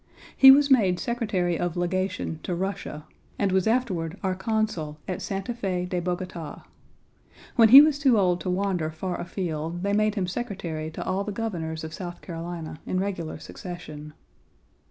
He was made Secretary of Legation to Russia, and was afterward our Consul at Santa Fe de Bogota. When he was too old to wander far afield, they made him Secretary to all the Governors of South Carolina in regular succession.